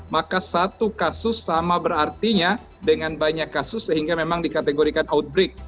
maka satu kasus sama berartinya dengan banyak kasus sehingga memang dikategorikan outbreak